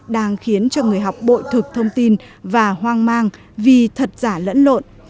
đang khiến cho người học bội thực thông tin và hoang mang vì thật giả lẫn lộn